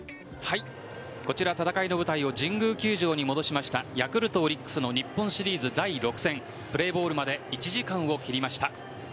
こちら、戦いの舞台を神宮球場に戻しましたヤクルト、オリックスの日本シリーズ第６戦プレーボールまで１時間を切りました。